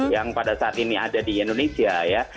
yang pada saat ini ada di indonesia ya